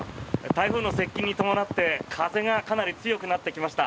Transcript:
台風の接近に伴って風がかなり強くなってきました。